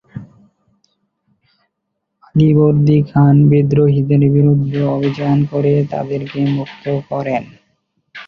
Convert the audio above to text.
আলীবর্দী খান বিদ্রোহীদের বিরুদ্ধে অভিযান করে তাদেরকে মুক্ত করেন।